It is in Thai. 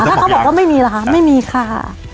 ถ้าเขาบอกว่าไม่มีล่ะคะไม่มีค่ะ